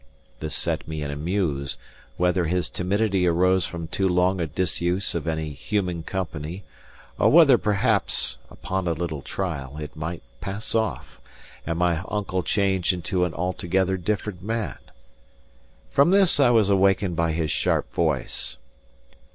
This set me in a muse, whether his timidity arose from too long a disuse of any human company; and whether perhaps, upon a little trial, it might pass off, and my uncle change into an altogether different man. From this I was awakened by his sharp voice.